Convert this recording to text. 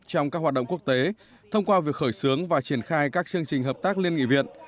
trong các hoạt động quốc tế thông qua việc khởi xướng và triển khai các chương trình hợp tác liên nghị viện